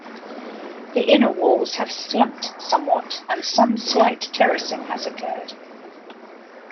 The inner walls have slumped somewhat, and some slight terracing has occurred.